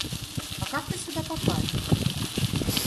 А как вы сюда попали?